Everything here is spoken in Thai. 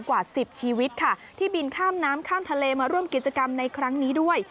กว่า๑๐ชีวิตค่ะที่บินข้ามน้ำข้ามทะเลมาร่วมกิจกรรมในครั้งนี้ด้วย